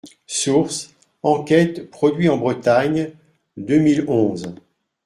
Source : enquête « Produit en Bretagne » deux mille onze.